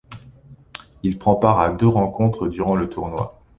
Il prend part à deux rencontres durant le tournoi.